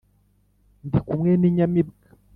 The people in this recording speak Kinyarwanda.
Ndi kumwe n’ Inyamibwa